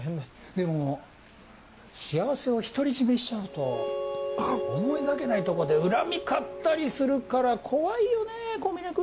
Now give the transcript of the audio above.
でも幸せを独り占めしちゃうと思いがけないとこで恨み買ったりするから怖いよねぇ小峯君！